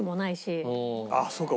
あっそうか